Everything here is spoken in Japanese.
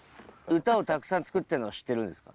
歌をたくさん作ってるのは知ってるんですか？